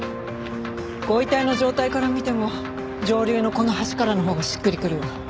ご遺体の状態から見ても上流のこの橋からのほうがしっくりくるわ。